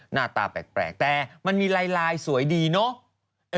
หน้าตาแปลกแต่มันมีลายสวยดีเนอะ